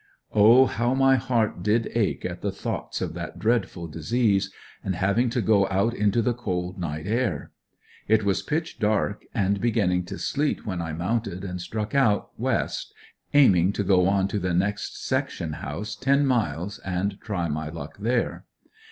Oh, how my heart did ache at the thoughts of that dreadful disease, and having to go out into the cold night air. It was pitch dark and beginning to sleet when I mounted and struck out, west, aiming to go on to the next section house, ten miles, and try my luck there.